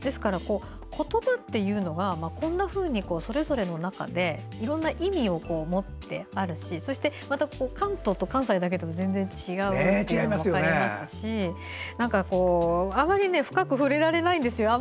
言葉っていうのはこんなふうにそれぞれの中でいろんな意味を持ってあるしそして関東と関西でも全然違うというのも分かりますしあまり深く触れられないんですよ。